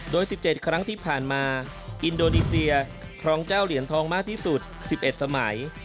โดย๑๗ครั้งที่ผ่านมาอินโดนีเซียครองเจ้าเหรียญทองมากที่สุด๑๑สมัย